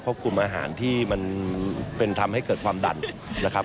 เพราะกลุ่มอาหารที่มันเป็นทำให้เกิดความดันนะครับ